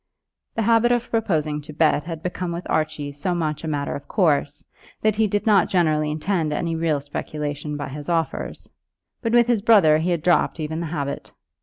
The habit of proposing to bet had become with Archie so much a matter of course, that he did not generally intend any real speculation by his offers; but with his brother he had dropped even the habit.